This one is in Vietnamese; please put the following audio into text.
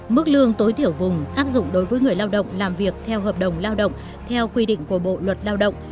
mức lương tối thiểu vùng áp dụng đối với người lao động làm việc theo hợp đồng lao động theo quy định của bộ luật lao động